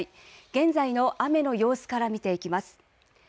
現在の雨の様子から見ていきます。